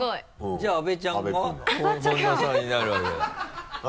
じゃあ阿部ちゃんが本田さんになるわけだ。